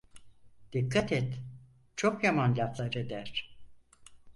Dikkat et, çok yaman laflar eder!